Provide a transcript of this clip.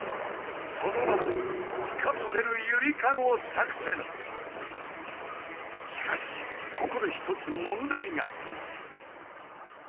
その名もしかしここで一つ問題が。